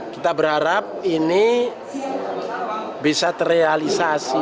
kita berharap ini bisa terrealisasi